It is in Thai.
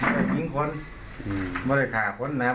ไม่ทิ้งคนไม่ได้ฆ่าคนนะครับ